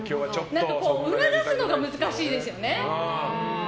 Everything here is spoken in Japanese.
促すのが難しいですよね。